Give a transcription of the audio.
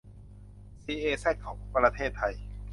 ซี เอ แซด ประเทศไทย